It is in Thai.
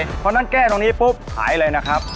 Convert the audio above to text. เพราะฉะนั้นแก้ตรงนี้ปุ๊บหายเลยนะครับ